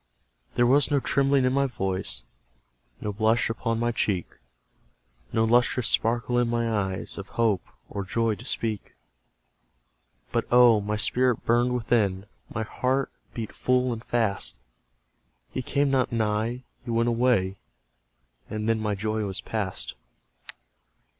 There was no trembling in my voice, No blush upon my cheek, No lustrous sparkle in my eyes, Of hope, or joy, to speak; But, oh! my spirit burned within, My heart beat full and fast! He came not nigh he went away And then my joy was past.